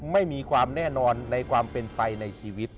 ไม่มีความแน่นอนในความเป็นไปในชีวิต